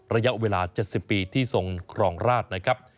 ระยะเวลา๗๐ปีที่ทรงครองราชนะครับ